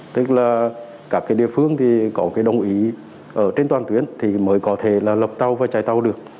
tức là các địa phương thì có cái đồng ý ở trên toàn tuyến thì mới có thể là lập tàu và chạy tàu được